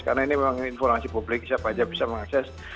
karena ini memang informasi publik siapa aja bisa mengakses